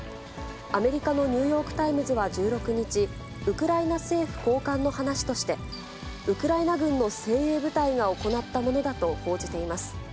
アメリカのニューヨークタイムズは１６日、ウクライナ政府高官の話として、ウクライナ軍の精鋭部隊が行ったものだと報じています。